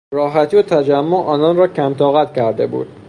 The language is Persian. راحتی و تجمل آنان را کمطاقت کرده بود.